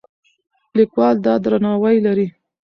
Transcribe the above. لیکوال دا درناوی لري.